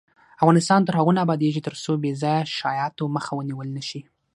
افغانستان تر هغو نه ابادیږي، ترڅو بې ځایه شایعاتو مخه ونیول نشي.